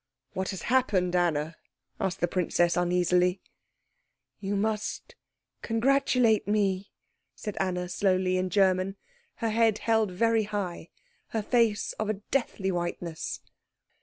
"What has happened, Anna?" asked the princess uneasily. "You must congratulate me," said Anna slowly in German, her head held very high, her face of a deathly whiteness.